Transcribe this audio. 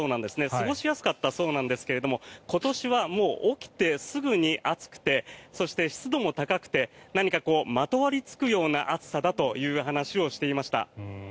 過ごしやすかったそうなんですが今年はもう起きてすぐに暑くてそして湿度も高くて何かまとわりつくような暑さだという話をしていました。